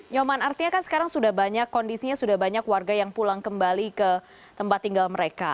nyoman artinya kan sekarang sudah banyak kondisinya sudah banyak warga yang pulang kembali ke tempat tinggal mereka